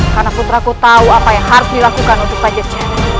karena putraku tahu apa yang harus dilakukan untuk pajaknya